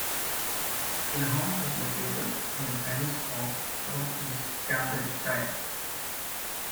Isleham is located in the Fens of south-east Cambridgeshire.